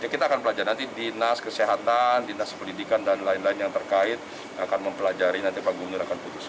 kita akan pelajar nanti dinas kesehatan dinas pendidikan dan lain lain yang terkait akan mempelajari nanti pak gubernur akan putuskan